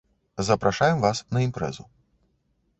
Запрашаем вас на імпрэзу.